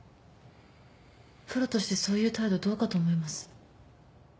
プロとしてそういう態度どうかと思います。